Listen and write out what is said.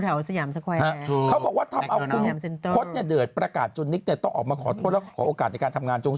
แถวสยามสกวัยพอออกมาขอโทษแล้วออกโอกาสในการทำงานจง